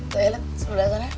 toilet sebelah sana